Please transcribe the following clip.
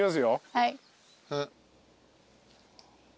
はい。